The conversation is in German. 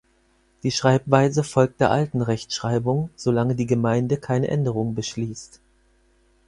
Die Schreibweise folgt der alten Rechtschreibung, solange die Gemeinde keine Änderung beschließt.